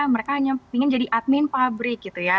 mereka hanya ingin jadi admin pabrik gitu ya